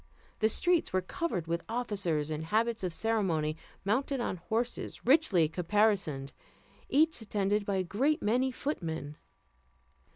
The streets were crowded with officers in habits of ceremony, mounted on horses richly caparisoned, each attended by a great many footmen.